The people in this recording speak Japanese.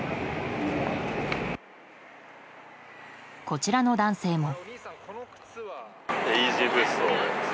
こちらの男性も。